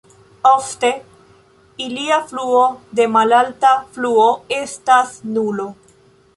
Ofte ilia fluo de malalta fluo estas nulo.